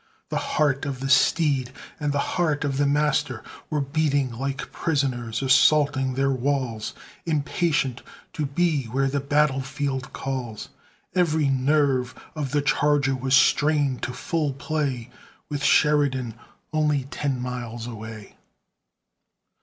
The heart of the steed and the heart of the master Were beating like prisoners assaulting their walls, Impatient to be where the battle field calls; Every nerve of the charger was strained to full play, With Sheridan only ten miles away.